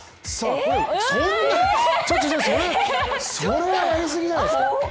そんなちょっと、それはやりすぎじゃないですか！？